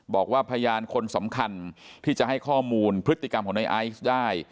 บอกว่าพยานคนสำคัญที่จะให้ข้อมูลพฤติกรรมของในไอซ์ได้